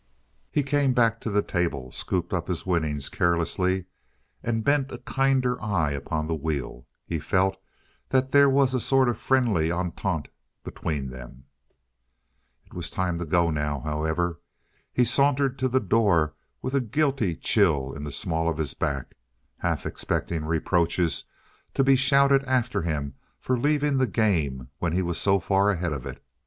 He came back to the table, scooped up his winnings carelessly and bent a kinder eye upon the wheel. He felt that there was a sort of friendly entente between them. It was time to go now, however. He sauntered to the door with a guilty chill in the small of his back, half expecting reproaches to be shouted after him for leaving the game when he was so far ahead of it.